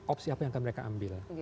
opsi apa yang akan mereka ambil